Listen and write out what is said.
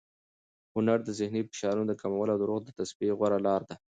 هنر د ذهني فشارونو د کمولو او د روح د تصفیې غوره لار ده.